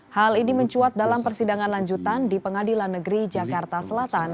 hal ini mencuat dalam persidangan lanjutan di pengadilan negeri jakarta selatan